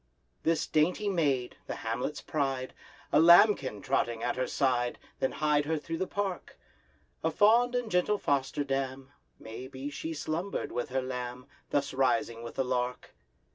This dainty maid, the hamlet's pride, A lambkin trotting at her side, Then hied her through the park; A fond and gentle foster dam— May be she slumbered with her lamb, Thus rising with the lark!